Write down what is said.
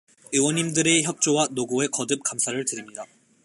의원님들의 협조와 노고에 거듭 감사를 드립니다.